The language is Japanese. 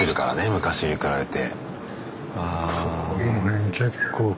昔に比べて。